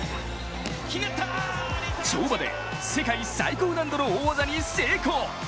跳馬で世界最高難度の大技に成功！